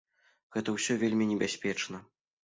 Гэта ўсё вельмі небяспечна.